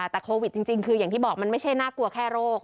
แต่โควิดจริงคืออย่างที่บอกมันไม่ใช่น่ากลัวแค่โรค